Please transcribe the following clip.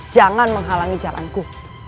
jangan menghalangi jalanku